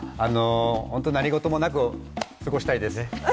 何事もなく過ごしたいです。